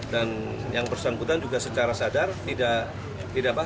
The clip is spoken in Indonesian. dan yang bersambutan juga secara sadar